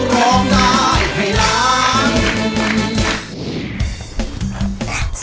ร้องด้านให้ร้าง